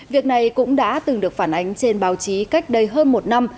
việc này cũng đã từng được phản ánh trên báo chí cách đây hơn một năm